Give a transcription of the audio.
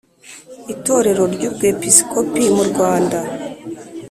Itorero ry Ubwepiskopi mu Rwanda